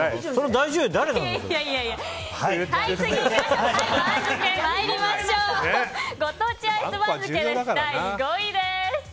第５位です。